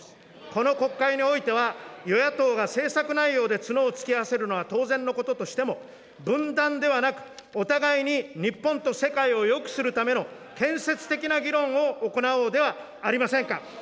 この国会においては、与野党が政策内容で角を突き合せるのは当然のこととしても、分断ではなく、お互いに日本と世界をよくするための、建設的な議論を行おうではありませんか。